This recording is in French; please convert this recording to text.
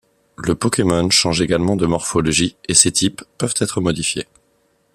Le Pokémon change également de morphologie et ses types peuvent être modifiés.